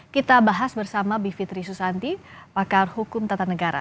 kita bahas bersama bivitri susanti pakar hukum tata negara